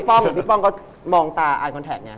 พี่๓๖๕ก็ดูสถานที่